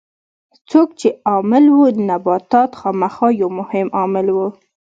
څوک یې عامل وو؟ نباتات خامخا یو مهم عامل و.